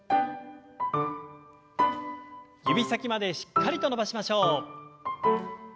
指先までしっかりと伸ばしましょう。